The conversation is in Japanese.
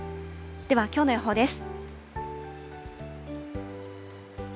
ではきょうの予報です。